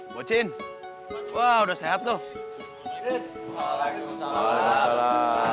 bu cin wah udah sehat lo